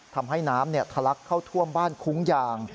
ทำให้น้ำทะลักเข้าท่วมบ้านคุ้งยาง